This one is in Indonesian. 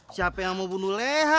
siapa yang mau bunuh leha